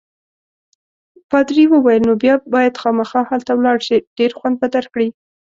پادري وویل: نو بیا باید خامخا هلته ولاړ شې، ډېر خوند به درکړي.